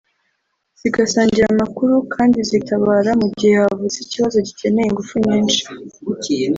zigasangira amakuru kandizigatabara mu gihe havutse ikibazo gikeneye ingufu nyinshi